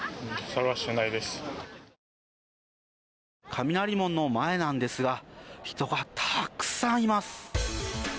雷門の前なんですが人がたくさんいます。